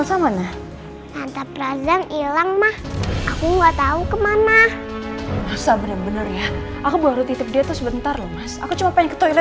sampai jumpa di video selanjutnya